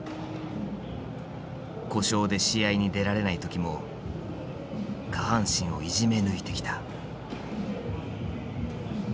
故障で試合に出られない時も下半身をいじめ抜いてきた。